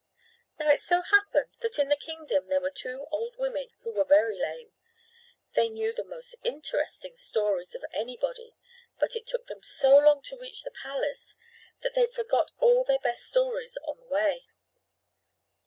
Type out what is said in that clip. Now it so happened that in the kingdom there were two old women who were very lame. They knew the most interesting stories of anybody, but it took them so long to reach the palace that they forgot all their best stories on the way.